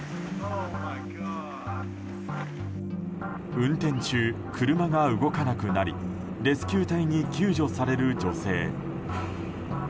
運転中、車が動かなくなりレスキュー隊に救助される女性。